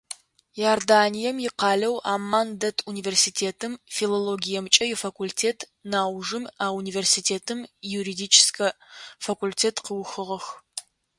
Иорданием икъалэу Амман дэт университетым филологиемкӏэ ифакультет, нэужым а университетым июридическэ факультет къыухыгъэх.